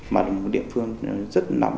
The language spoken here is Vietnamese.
mà địa phương rất nóng